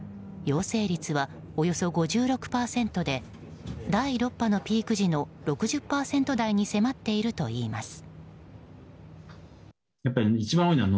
陽性率はおよそ５６％で第６波のピーク時の６０％台に迫っているといいます。